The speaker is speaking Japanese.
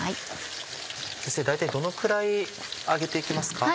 大体どのくらい揚げて行きますか？